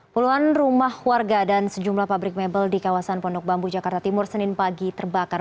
puluhan rumah warga dan sejumlah pabrik mebel di kawasan pondok bambu jakarta timur senin pagi terbakar